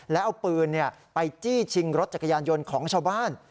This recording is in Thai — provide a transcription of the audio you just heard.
แล้วเอาปืนไปจี้ชิงรถจักรยานยนต์ของชาวบ้าน